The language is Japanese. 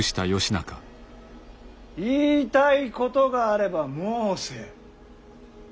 言いたいことがあれば申せ。